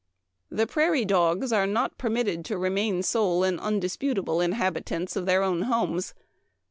" The prairie dogs are not .permitted to remain sole and indisputable inhabitants of their own homes.